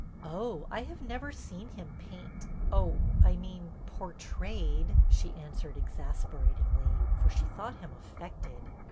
"Oh, I have never seen him paint — oh, I mean portrayed," she answered exasperat ingly, for she thought him affected.